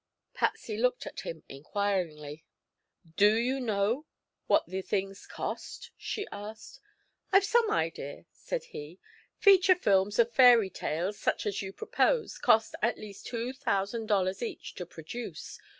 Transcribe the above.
Patsy looked at him inquiringly. "Do you know what the things cost?" she asked. "I've some idea," said he. "Feature films of fairy tales, such as you propose, cost at least two thousand dollars each to produce.